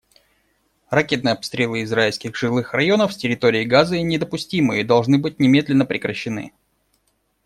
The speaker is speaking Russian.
Ракетные обстрелы израильских жилых районов с территории Газы недопустимы и должны быть немедленно прекращены.